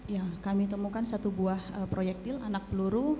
ya kami temukan satu buah proyektil anak peluru